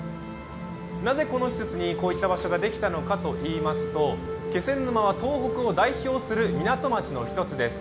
なぜ、この施設にこういった場所ができたのかといいますと、気仙沼は東北を代表する港町の一つです。